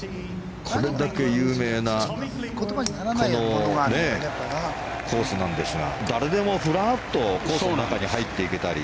これだけ有名なこのコースなんですが誰でもふらっとコースの中に入っていけたり。